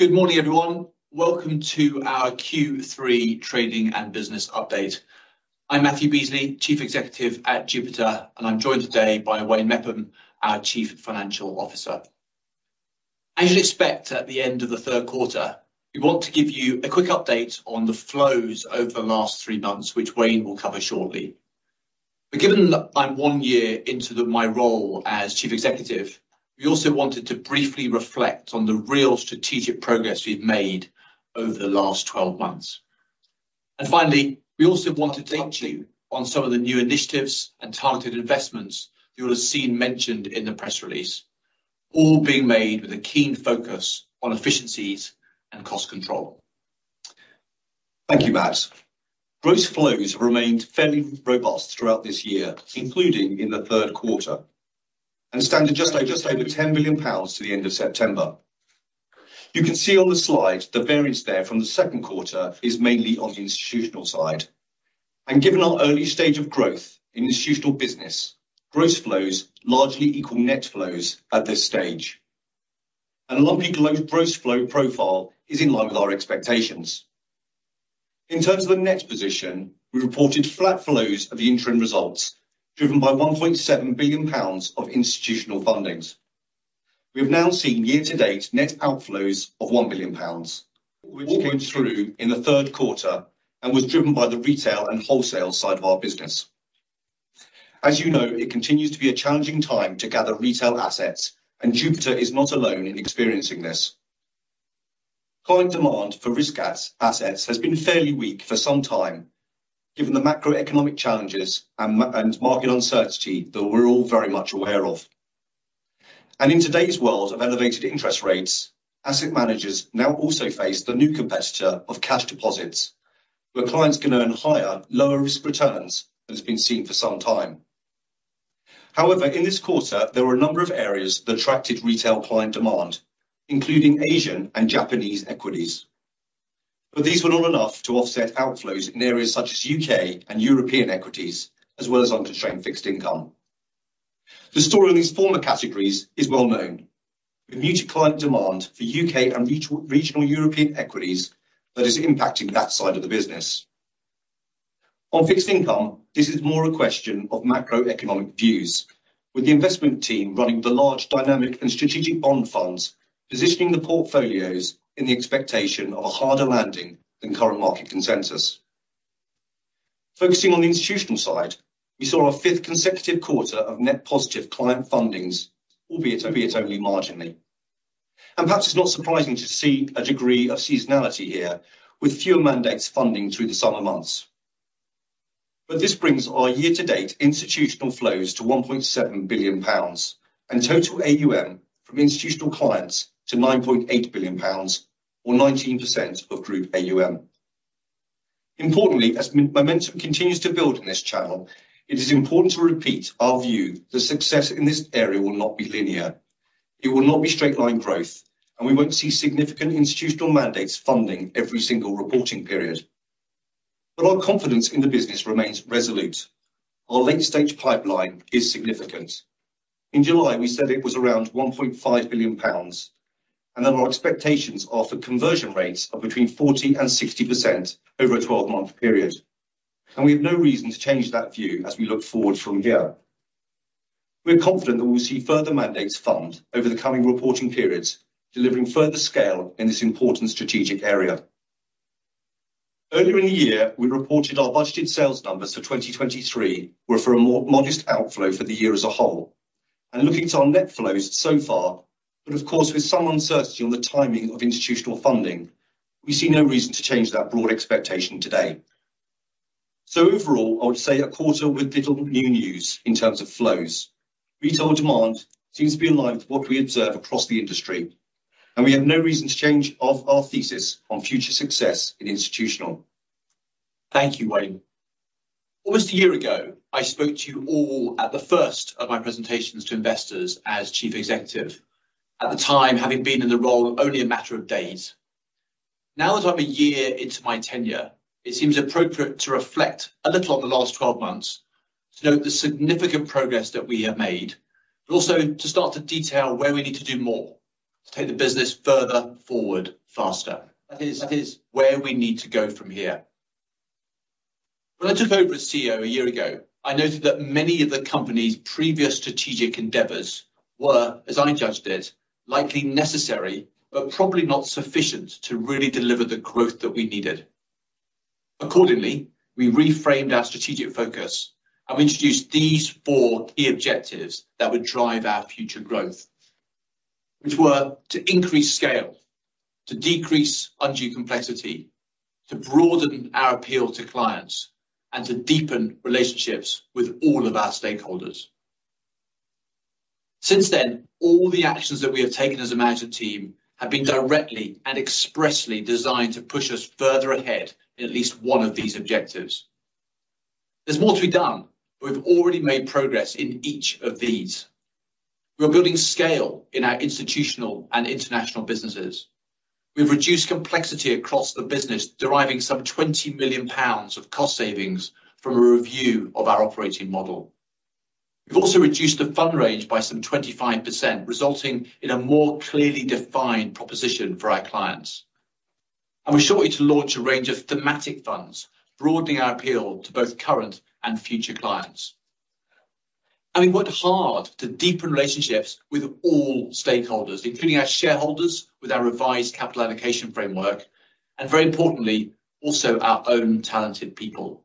Good morning, everyone. Welcome to our Q3 Trading and Business Update. I'm Matthew Beesley, Chief Executive at Jupiter, and I'm joined today by Wayne Mepham, our Chief Financial Officer. As you'd expect at the end of the third quarter, we want to give you a quick update on the flows over the last three months, which Wayne will cover shortly. But given that I'm one year into my role as Chief Executive, we also wanted to briefly reflect on the real strategic progress we've made over the last 12 months. And finally, we also want to touch on some of the new initiatives and targeted investments you'll have seen mentioned in the press release, all being made with a keen focus on efficiencies and cost control. Thank you, Matt. Gross flows have remained fairly robust throughout this year, including in the third quarter, and standing just over, just over 10 billion pounds to the end of September. You can see on the slide the variance there from the second quarter is mainly on the institutional side. Given our early stage of growth in institutional business, gross flows largely equal net flows at this stage. A lumpy flow, gross flow profile is in line with our expectations. In terms of the net position, we reported flat flows of the interim results, driven by 1.7 billion pounds of institutional fundings. We've now seen year-to-date net outflows of 1 billion pounds, which came through in the third quarter and was driven by the retail and wholesale side of our business. As you know, it continues to be a challenging time to gather retail assets, and Jupiter is not alone in experiencing this. Client demand for risk assets has been fairly weak for some time, given the macroeconomic challenges and market uncertainty that we're all very much aware of. In today's world of elevated interest rates, asset managers now also face the new competitor of cash deposits, where clients can earn higher, lower-risk returns than has been seen for some time. However, in this quarter, there were a number of areas that attracted retail client demand, including Asian and Japanese equities. These were not enough to offset outflows in areas such as U.K. and European equities, as well as unconstrained fixed income. The story of these former categories is well known, with muted client demand for U.K. and regional European equities that is impacting that side of the business. On fixed income, this is more a question of macroeconomic views, with the investment team running the large Dynamic and Strategic Bond funds, positioning the portfolios in the expectation of a harder landing than current market consensus. Focusing on the institutional side, we saw our fifth consecutive quarter of net positive client fundings, albeit only marginally. Perhaps it's not surprising to see a degree of seasonality here, with fewer mandates funding through the summer months. This brings our year-to-date institutional flows to 1.7 billion pounds, and total AUM from institutional clients to 9.8 billion pounds, or 19% of Group AUM. Importantly, as momentum continues to build in this channel, it is important to repeat our view that success in this area will not be linear. It will not be straight line growth, and we won't see significant institutional mandates funding every single reporting period. But our confidence in the business remains resolute. Our late-stage pipeline is significant. In July, we said it was around 1.5 billion pounds, and that our expectations are for conversion rates of between 40% and 60% over a twelve-month period, and we have no reason to change that view as we look forward from here. We're confident that we'll see further mandates fund over the coming reporting periods, delivering further scale in this important strategic area. Earlier in the year, we reported our budgeted sales numbers for 2023 were for a more modest outflow for the year as a whole. Looking to our net flows so far, but of course, with some uncertainty on the timing of institutional funding, we see no reason to change that broad expectation today. Overall, I would say a quarter with little new news in terms of flows. Retail demand seems to be in line with what we observe across the industry, and we have no reason to change our thesis on future success in institutional. Thank you, Wayne. Almost a year ago, I spoke to you all at the first of my presentations to investors as Chief Executive, at the time, having been in the role only a matter of days. Now, as I'm a year into my tenure, it seems appropriate to reflect a little on the last 12 months, to note the significant progress that we have made, but also to start to detail where we need to do more to take the business further forward faster. That is, that is where we need to go from here. When I took over as CEO a year ago, I noted that many of the company's previous strategic endeavors were, as I judged it, likely necessary, but probably not sufficient to really deliver the growth that we needed. Accordingly, we reframed our strategic focus and we introduced these four key objectives that would drive our future growth, which were: to increase scale, to decrease undue complexity, to broaden our appeal to clients, and to deepen relationships with all of our stakeholders. Since then, all the actions that we have taken as a management team have been directly and expressly designed to push us further ahead in at least one of these objectives. There's more to be done, but we've already made progress in each of these. We are building scale in our institutional and international businesses. We've reduced complexity across the business, deriving some 20 million pounds of cost savings from a review of our operating model. We've also reduced the fund range by some 25%, resulting in a more clearly defined proposition for our clients. We're shortly to launch a range of thematic funds, broadening our appeal to both current and future clients. We've worked hard to deepen relationships with all stakeholders, including our shareholders, with our revised capital allocation framework, and very importantly, also our own talented people.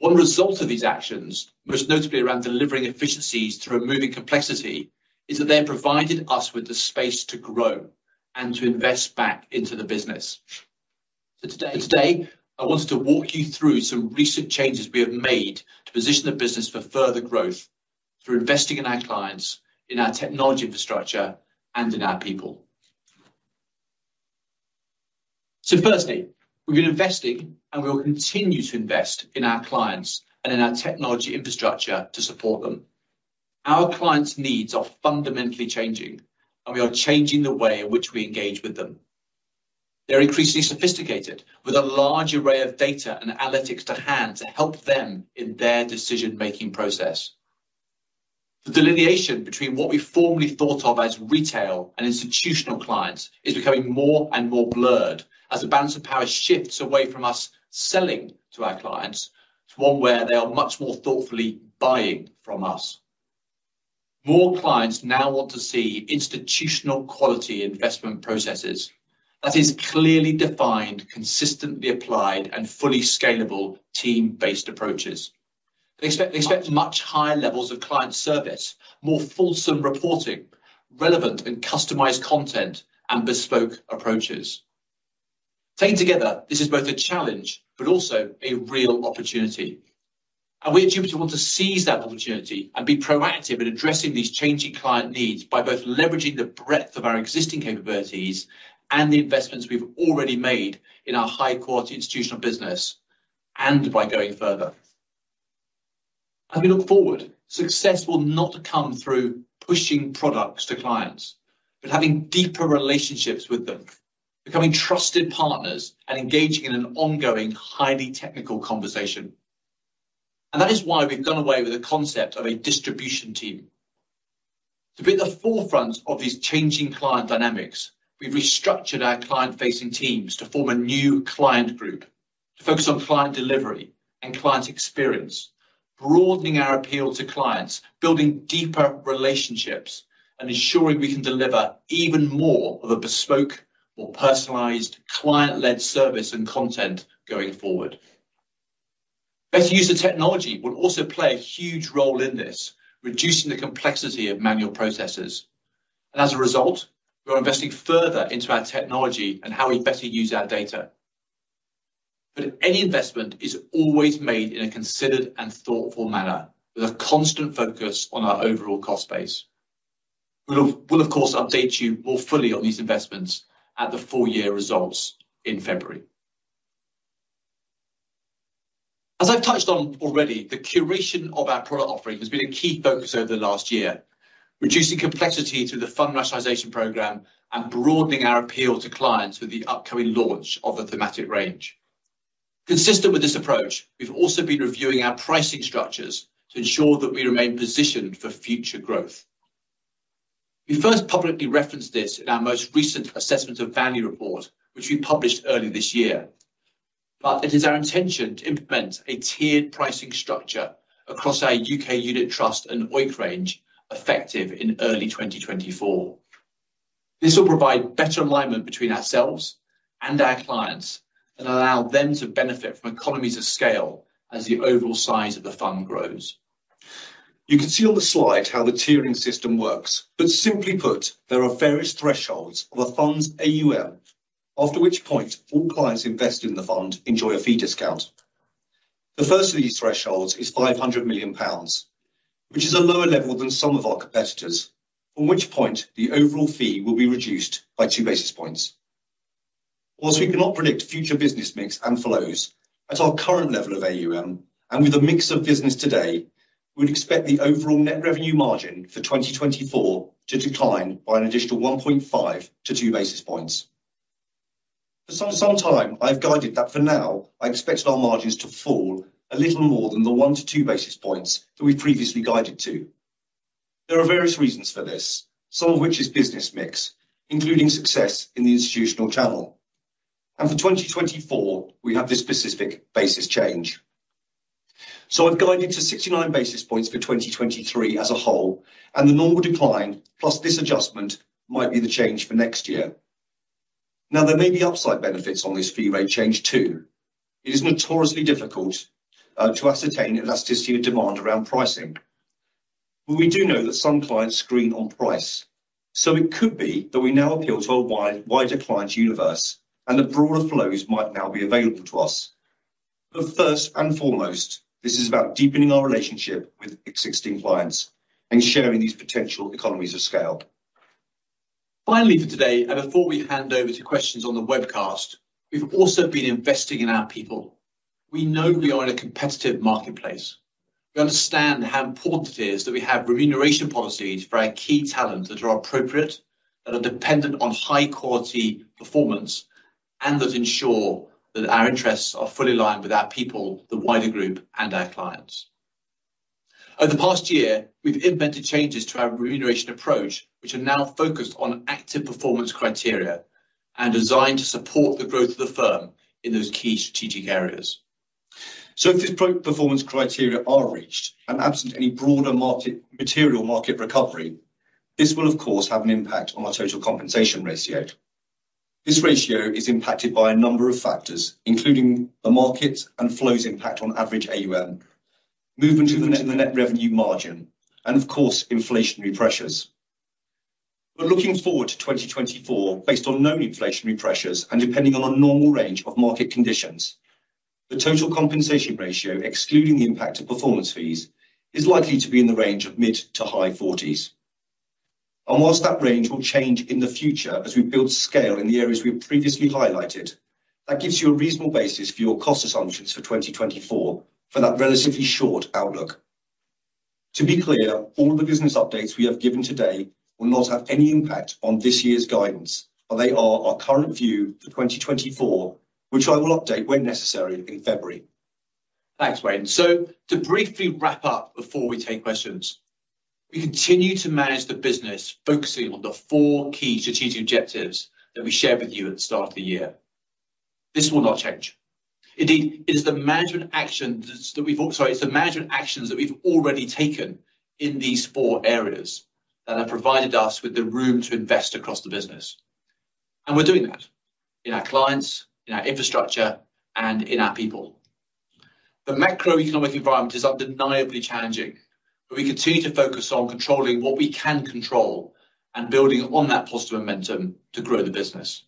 One result of these actions, most notably around delivering efficiencies through removing complexity, is that they have provided us with the space to grow and to invest back into the business. Today, I wanted to walk you through some recent changes we have made to position the business for further growth, through investing in our clients, in our technology infrastructure, and in our people. Firstly, we've been investing and we will continue to invest in our clients and in our technology infrastructure to support them. Our clients' needs are fundamentally changing, and we are changing the way in which we engage with them. They're increasingly sophisticated, with a large array of data and analytics to hand to help them in their decision-making process. The delineation between what we formerly thought of as retail and institutional clients is becoming more and more blurred, as the balance of power shifts away from us selling to our clients, to one where they are much more thoughtfully buying from us. More clients now want to see institutional quality investment processes. That is, clearly defined, consistently applied, and fully scalable team-based approaches. They expect, they expect much higher levels of client service, more fulsome reporting, relevant and customized content, and bespoke approaches. Taken together, this is both a challenge, but also a real opportunity, and we at Jupiter want to seize that opportunity and be proactive in addressing these changing client needs by both leveraging the breadth of our existing capabilities and the investments we've already made in our high-quality institutional business, and by going further. As we look forward, success will not come through pushing products to clients, but having deeper relationships with them, becoming trusted partners, and engaging in an ongoing, highly technical conversation. That is why we've done away with the concept of a distribution team. To be at the forefront of these changing client dynamics, we've restructured our client-facing teams to form a new Client Group, to focus on client delivery and client experience, broadening our appeal to clients, building deeper relationships, and ensuring we can deliver even more of a bespoke or personalized client-led service and content going forward. Better user technology will also play a huge role in this, reducing the complexity of manual processes. And as a result, we are investing further into our technology and how we better use our data. But any investment is always made in a considered and thoughtful manner, with a constant focus on our overall cost base. We'll, of course, update you more fully on these investments at the full year results in February. As I've touched on already, the curation of our product offering has been a key focus over the last year, reducing complexity through the fund rationalization program and broadening our appeal to clients with the upcoming launch of the thematic range. Consistent with this approach, we've also been reviewing our pricing structures to ensure that we remain positioned for future growth. We first publicly referenced this in our most recent Assessment of Value report, which we published earlier this year. But it is our intention to implement a tiered pricing structure across our U.K. unit trust and OEIC range, effective in early 2024. This will provide better alignment between ourselves and our clients and allow them to benefit from economies of scale as the overall size of the fund grows. You can see on the slide how the tiering system works, but simply put, there are various thresholds of a fund's AUM, after which point, all clients investing in the fund enjoy a fee discount. The first of these thresholds is 500 million pounds, which is a lower level than some of our competitors, from which point, the overall fee will be reduced by 2 basis points. While we cannot predict future business mix and flows, at our current level of AUM, and with the mix of business today, we'd expect the overall net revenue margin for 2024 to decline by an additional 1.5-2 basis points. For some time, I've guided that for now, I expect our margins to fall a little more than the 1-2 basis points that we previously guided to. There are various reasons for this, some of which is business mix, including success in the institutional channel. For 2024, we have this specific basis change. I've guided to 69 basis points for 2023 as a whole, and the normal decline, plus this adjustment, might be the change for next year. Now, there may be upside benefits on this fee rate change, too. It is notoriously difficult to ascertain elasticity and demand around pricing, but we do know that some clients screen on price. It could be that we now appeal to a wide- wider client universe, and the broader flows might now be available to us. First and foremost, this is about deepening our relationship with existing clients and sharing these potential economies of scale. Finally, for today, and before we hand over to questions on the webcast, we've also been investing in our people. We know we are in a competitive marketplace. We understand how important it is that we have remuneration policies for our key talent that are appropriate that are dependent on high-quality performance and that ensure that our interests are fully aligned with our people, the wider group, and our clients. Over the past year, we've implemented changes to our remuneration approach, which are now focused on active performance criteria and designed to support the growth of the firm in those key strategic areas. So if these performance criteria are reached, and absent any broader material market recovery, this will, of course, have an impact on our total compensation ratio. This ratio is impacted by a number of factors, including the market and flows impact on average AUM, movement in the net revenue margin, and of course, inflationary pressures. But looking forward to 2024, based on known inflationary pressures and depending on a normal range of market conditions, the total compensation ratio, excluding the impact of performance fees, is likely to be in the range of mid- to high 40s. And whilst that range will change in the future as we build scale in the areas we've previously highlighted, that gives you a reasonable basis for your cost assumptions for 2024, for that relatively short outlook. To be clear, all the business updates we have given today will not have any impact on this year's guidance, but they are our current view for 2024, which I will update when necessary in February. Thanks, Wayne. So to briefly wrap up before we take questions, we continue to manage the business, focusing on the four key strategic objectives that we shared with you at the start of the year. This will not change. Indeed, it is the management actions that we've already taken in these four areas that have provided us with the room to invest across the business, and we're doing that in our clients, in our infrastructure, and in our people. The macroeconomic environment is undeniably challenging, but we continue to focus on controlling what we can control and building on that positive momentum to grow the business.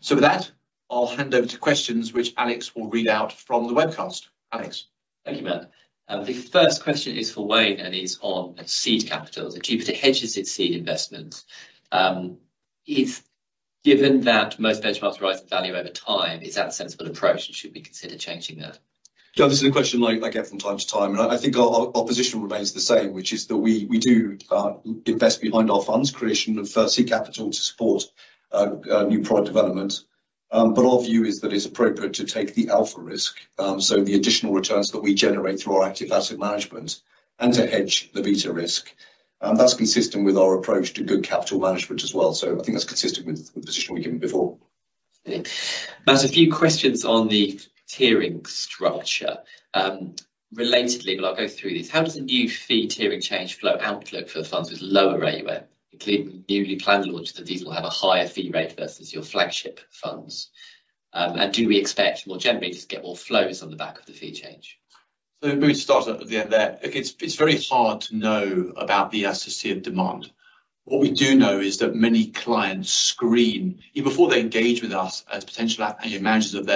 So with that, I'll hand over to questions which Alex will read out from the webcast. Alex? Thank you, Matt. The first question is for Wayne and is on seed capital. Jupiter hedges its seed investments. If given that most benchmarks rise in value over time, is that a sensible approach, and should we consider changing that? Yeah, this is a question I get from time to time, and I think our position remains the same, which is that we do invest behind our funds creation of seed capital to support new product development. But our view is that it's appropriate to take the Alpha risk, so the additional returns that we generate through our active asset management, and to hedge the Beta risk. And that's consistent with our approach to good capital management as well. So I think that's consistent with the position we've given before. Thank you. Matt, a few questions on the tiering structure. Relatedly, but I'll go through these: How does the new fee tiering change flow outlook for the funds with lower AUM, including the newly planned launch, that these will have a higher fee rate versus your flagship funds? And do we expect more generally just to get more flows on the back of the fee change? So maybe start off at the end there. Look, it's very hard to know about the elasticity of demand. What we do know is that many clients screen, even before they engage with us as potential managers of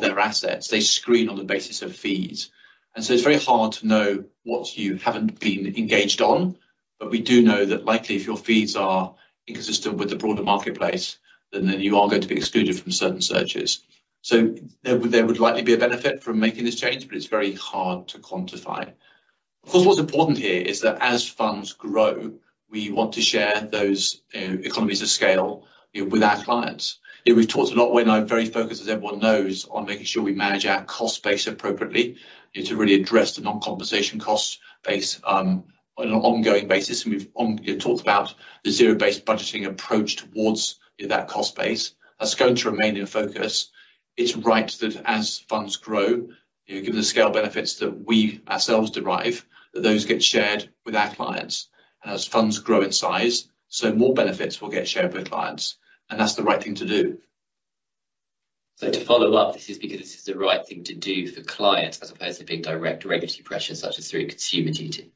their assets, they screen on the basis of fees. And so it's very hard to know what you haven't been engaged on, but we do know that likely, if your fees are inconsistent with the broader marketplace, then you are going to be excluded from certain searches. So there would likely be a benefit from making this change, but it's very hard to quantify. Of course, what's important here is that as funds grow, we want to share those economies of scale, you know, with our clients. You know, we've talked a lot, Wayne, and I'm very focused, as everyone knows, on making sure we manage our cost base appropriately and to really address the non-compensation cost base, on an ongoing basis. And we've, you know, talked about the Zero-Based Budgeting approach towards, you know, that cost base. That's going to remain in focus. It's right that as funds grow, you know, given the scale benefits that we ourselves derive, that those get shared with our clients. And as funds grow in size, so more benefits will get shared with clients, and that's the right thing to do. To follow up, this is because this is the right thing to do for clients, as opposed to being direct regulatory pressure, such as through Consumer Duty?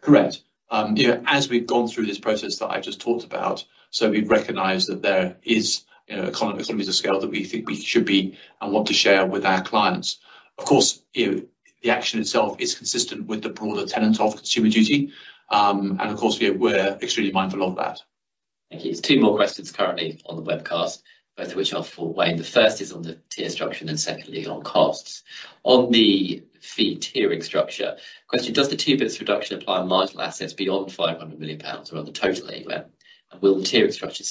Correct. You know, as we've gone through this process that I've just talked about, so we've recognized that there is, you know, economies of scale that we think we should be and want to share with our clients. Of course, you know, the action itself is consistent with the broader tenet of Consumer Duty. And of course, we're extremely mindful of that. Thank you. There's 2 more questions currently on the webcast, both of which are for Wayne. The first is on the tier structure and then secondly, on costs. On the fee tiering structure, question: Does the 2 bps reduction apply on marginal assets beyond 500 million pounds or on the total AUM? And will the tiering structure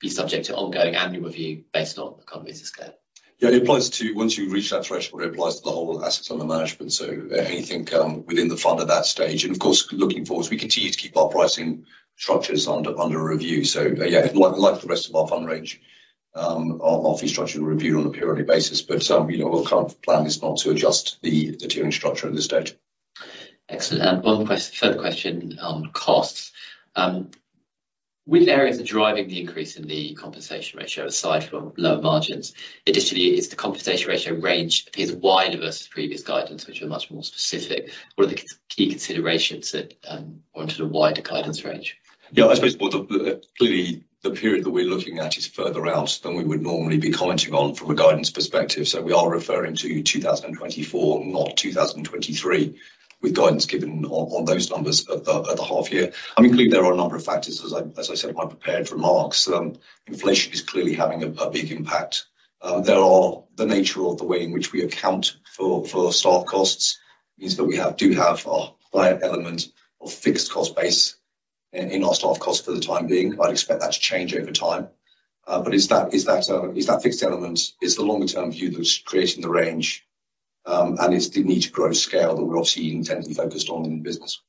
be subject to ongoing annual review based on economies of scale? Yeah, it applies to... Once you reach that threshold, it applies to the whole assets under management, so anything within the fund at that stage. And of course, looking forward, we continue to keep our pricing structures under review. So, yeah, like the rest of our fund range, our fee structure will review on a periodic basis, but, you know, our current plan is not to adjust the tiering structure at this stage. Excellent. Third question on costs. Which areas are driving the increase in the compensation ratio, aside from lower margins? Additionally, the compensation ratio range appears wider versus previous guidance, which was much more specific. What are the key considerations that warranted a wider guidance range? Yeah, I suppose, well, clearly, the period that we're looking at is further out than we would normally be commenting on from a guidance perspective. So we are referring to 2024, not 2023, with guidance given on those numbers at the half year. I mean, clearly, there are a number of factors, as I said in my prepared remarks. Inflation is clearly having a big impact. The nature of the way in which we account for staff costs means that we have a higher element of fixed cost base in our staff costs for the time being. I'd expect that to change over time. But it's that, it's that, it's that fixed element, it's the longer-term view that's creating the range, and it's the need to grow scale that we're obviously intensely focused on in the business.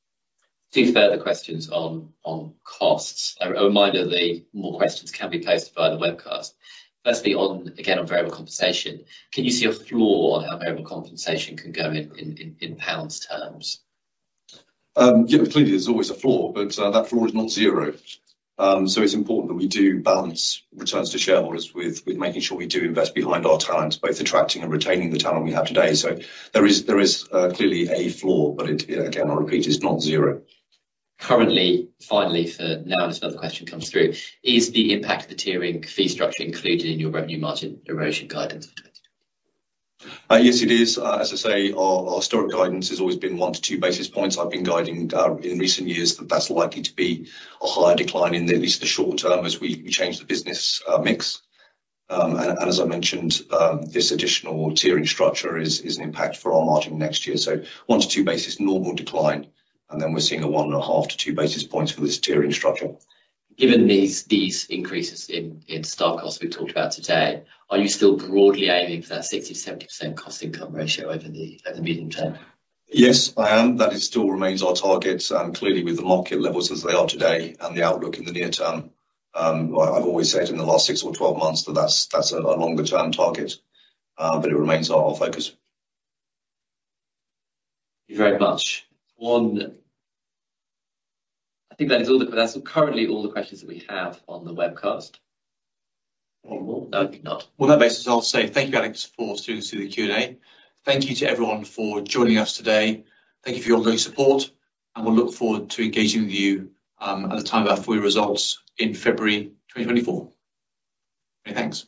Two further questions on costs. A reminder that more questions can be posted via the webcast. Firstly, again, on variable compensation, can you see a floor on how variable compensation can go in pounds terms? Yeah, clearly there's always a floor, but that floor is not zero. So it's important that we do balance returns to shareholders with making sure we do invest behind our talent, both attracting and retaining the talent we have today. So there is clearly a floor, but it, again, I'll repeat, it's not zero. Currently, finally, for now, unless another question comes through, is the impact of the tiering fee structure included in your revenue margin erosion guidance for 2020? Yes, it is. As I say, our historic guidance has always been 1-2 basis points. I've been guiding in recent years that that's likely to be a higher decline in at least the short term as we change the business mix. And as I mentioned, this additional tiering structure is an impact for our margin next year. So 1-2 basis, normal decline, and then we're seeing a 1.5-2 basis points for this tiering structure. Given these increases in staff costs we've talked about today, are you still broadly aiming for that 60%-70% cost income ratio over the medium term? Yes, I am. That it still remains our target, and clearly, with the market levels as they are today and the outlook in the near term, I've always said in the last 6 or 12 months that that's a longer-term target, but it remains our focus. Thank you very much. I think that is all that's currently all the questions that we have on the webcast. Or no, not. Well, on that basis, I'll say thank you, Alex, for seeing us through the Q&A. Thank you to everyone for joining us today. Thank you for your ongoing support, and we'll look forward to engaging with you at the time of our full year results in February 2024. Many thanks.